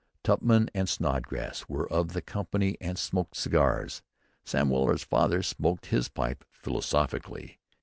Tupman and Snodgrass were of the company and smoked cigars. Sam Weller's father smoked his pipe philosophically.